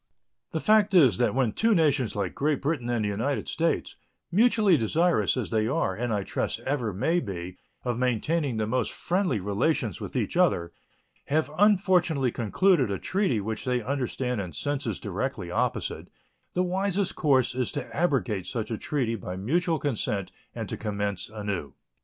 The fact is that when two nations like Great Britain and the United States, mutually desirous, as they are, and I trust ever may be, of maintaining the most friendly relations with each other, have unfortunately concluded a treaty which they understand in senses directly opposite, the wisest course is to abrogate such a treaty by mutual consent and to commence anew.